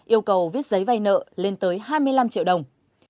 yêu cầu viết giấy vay nợ lên tới hai mươi năm triệu đồng